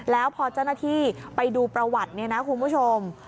แล้วพอเจ้าหน้าที่ไปดูประวัติเนี่ยนะคุณผู้ชม